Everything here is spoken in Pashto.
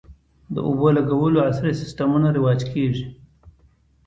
د اوبولګولو عصري سیستمونه رواج کیږي